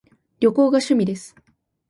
旅行が趣味です